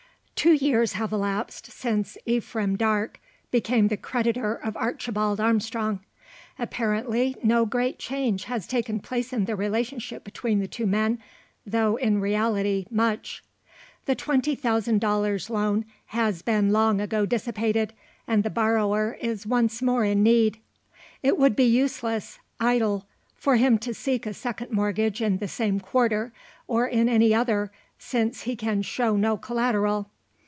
Two years have elapsed since Ephraim Darke became the creditor of Archibald Armstrong. Apparently, no great change has taken place in the relationship between the two men, though in reality much. The twenty thousand dollars' loan has been long ago dissipated, and the borrower is once more in need. It would be useless, idle, for him to seek a second mortgage in the same quarter; or in any other, since he can show no collateral.